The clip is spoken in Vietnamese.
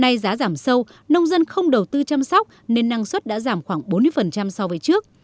nay giá giảm sâu nông dân không đầu tư chăm sóc nên năng suất đã giảm khoảng bốn mươi so với trước